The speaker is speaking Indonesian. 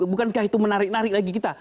bukankah itu menarik narik lagi kita